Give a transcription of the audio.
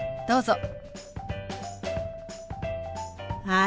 どうぞ。